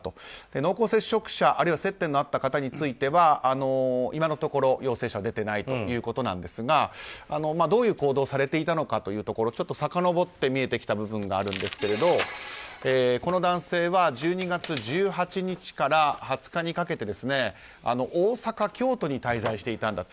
濃厚接触者、あるいは接点のあった方については今のところ、陽性者は出ていないということですがどういう行動をされていたのかというところさかのぼって見えてきた部分があるんですがこの男性は１２月１８日から２０日にかけて大阪、京都に滞在していたと。